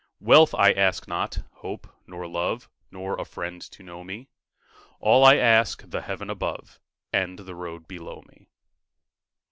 Wealth I ask not, hope nor love, Nor a friend to know me; All I ask, the heaven above And the road below me.